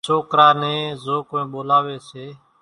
سوڪرا نين زو ڪونئين ٻولاوي سي